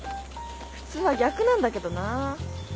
普通は逆なんだけどな。